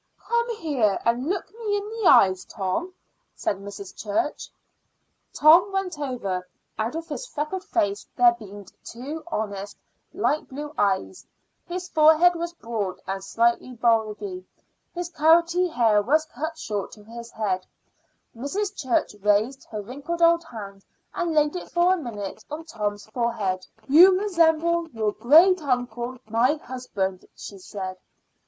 "Come here and look me in the eyes, Tom," said Mrs. Church. Tom went over. Out of his freckled face there beamed two honest light blue eyes. His forehead was broad and slightly bulgy; his carroty hair was cut short to his head. Mrs. Church raised her wrinkled old hand and laid it for a minute on Tom's forehead. "You resemble your great uncle, my husband," she said.